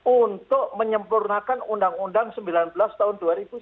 untuk menyempurnakan undang undang sembilan belas tahun dua ribu sembilan belas